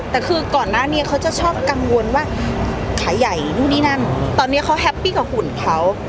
แต่คือก่อนหน้านี้เขาจะชอบกังวลว่าขายใหญ่ตอนนี้เขาแฮปปี้กว่าหุ่นเขา